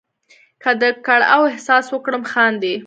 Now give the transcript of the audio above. که د کړاو احساس وکړم خاندې.